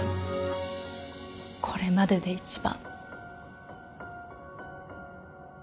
これまでで一番。